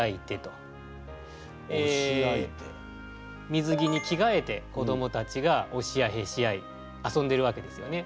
水着に着がえて子どもたちが押し合いへし合い遊んでるわけですよね。